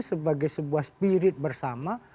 sebagai sebuah spirit bersama